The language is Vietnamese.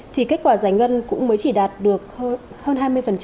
thì kết quả giải ngân cũng mới chỉ đạt được hơn hai mươi